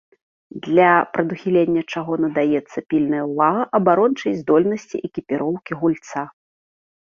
Для прадухілення чаго надаецца пільная ўвага абарончай здольнасці экіпіроўкі гульца.